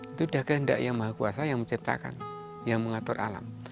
itu udah kehendak yang maha kuasa yang menciptakan yang mengatur alam